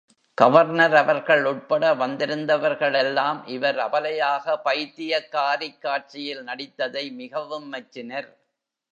Governor அவர்கள் உட்பட வந்திருந்தவர்களெல்லாம், இவர் அபலையாக, பைத்தியக்காரிக் காட்சியில் நடித்ததை மிகவும் மெச்சினர்.